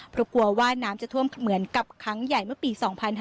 เพราะกลัวว่าน้ำจะท่วมเหมือนกับครั้งใหญ่เมื่อปี๒๕๕๙